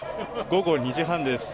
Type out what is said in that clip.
午後２時半です。